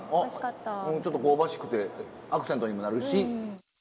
ちょっと香ばしくてアクセントにもなるし。